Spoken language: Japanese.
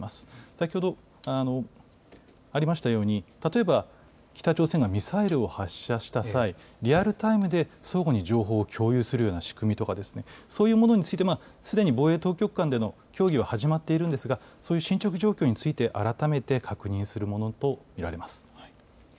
先ほどありましたように、例えば北朝鮮がミサイルを発射した際、リアルタイムで相互に情報を共有するような仕組みですとか、そういうものについて、すでに防衛当局間での協議は始まっているんですが、そういう進捗状況について改めて確認するものと見られます。